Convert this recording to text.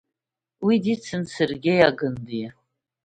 Уи дицын Сергеи Агындиа.